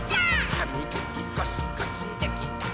「はみがきゴシゴシできたかな？」